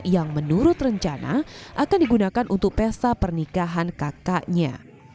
yang menurut rencana akan digunakan untuk pesta pernikahan kakaknya